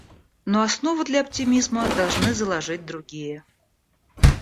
Но основу для оптимизма должны заложить другие.